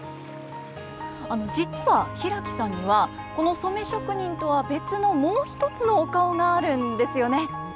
実は平木さんにはこの染職人とは別のもう一つのお顔があるんですよね。